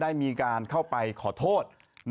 ได้มีการเข้าไปขอโทษ